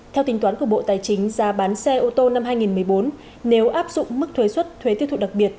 theo tính toán của bộ tài chính giá bán xe ô tô năm hai nghìn một mươi bốn nếu áp dụng mức thuế xuất thuế tiêu thụ đặc biệt